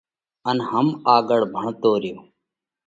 ان هم آڳۯ ڀڻتو ريو۔